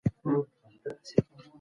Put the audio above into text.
د انسانانو اړیکې تل یو شان نه پاتې کیږي.